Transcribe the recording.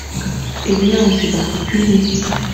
Eh bien, c’est particulier…